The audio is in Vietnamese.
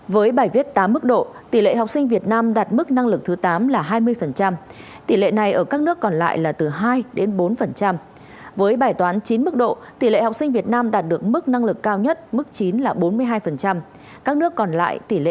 với bài đọc hiểu sáu mức độ tỷ lệ học sinh việt nam đạt được mức năng lực thứ sáu là tám mươi hai